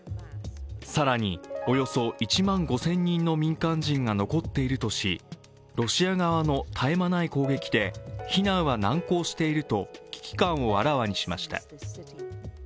更に、およそ１万５０００人の民間人が残っているとし、ロシア側の絶え間ない攻撃で避難は難航していると危機感をあらわにしました。